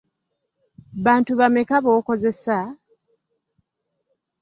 Bantu bameka b'okozesa?